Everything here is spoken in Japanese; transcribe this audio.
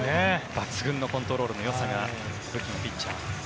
抜群のコントロールのよさが武器のピッチャー。